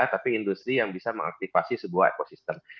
tapi industri yang bisa mengaktifasi sebuah ekosistem